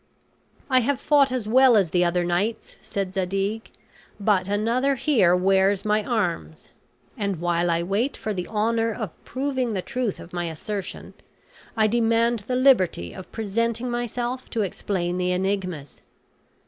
"I have fought as well as the other knights," said Zadig, "but another here wears my arms; and while I wait for the honor of proving the truth of my assertion, I demand the liberty of presenting myself to explain the enigmas."